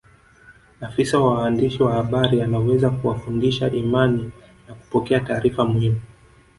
Afisa wa waandishi wa habari anaweza kuwafundisha imani na kupokea taarifa muhimu